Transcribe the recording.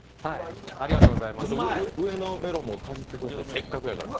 上のメロンもかじってください、せっかくやから。